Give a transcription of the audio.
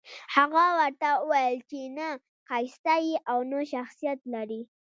هغه ورته وويل چې نه ښايسته يې او نه شخصيت لرې.